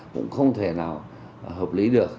cũng không thể nào hợp lý được